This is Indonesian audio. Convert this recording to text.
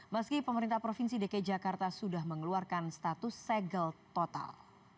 meski pemerintah provinsi dki jakarta sudah mengeluarkan status segel total